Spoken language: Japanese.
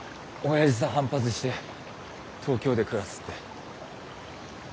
おやじさ反発して東京で暮らすって。